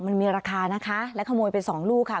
มันมีราคานะคะและขโมยไปสองลูกค่ะ